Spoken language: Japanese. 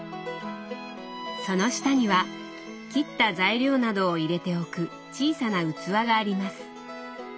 その下には切った材料などを入れておく小さな器があります。